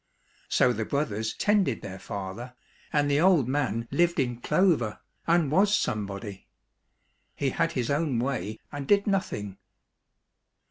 So the brothers tended their father, and the old man lived in clover, and was somebody. He had his own way and did nothing.